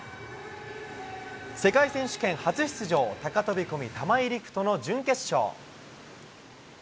世界選手権初出場、高飛び込み、玉井陸斗の準決勝。